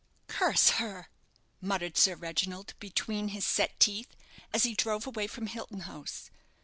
"Curse her!" muttered Sir Reginald, between his set teeth, as he drove away from Hilton House.